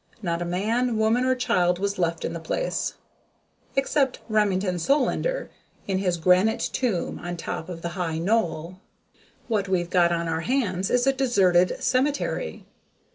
Not a man, woman or child was left in the place except Remington Solander in his granite tomb on top of the high knoll. What we've got on our hands is a deserted cemetery.